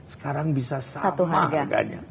sekarang bisa sama harganya